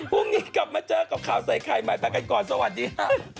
พรุ่งนี้กลับมาเจอกับข่าวไส้ใครหมายภารกิจกรณ์สวัสดีค่ะ